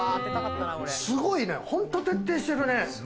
すごいね、本当徹底してるね。